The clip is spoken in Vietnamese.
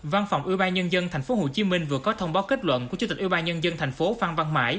văn phòng ủy ban nhân dân tp hcm vừa có thông báo kết luận của chủ tịch ủy ban nhân dân tp hcm